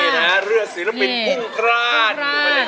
ร้านหรือไม่เห็นร้าน